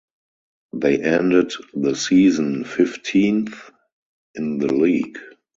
They ended the season fifteenth in the league.